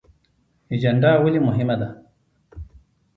اجنډا ولې مهمه ده؟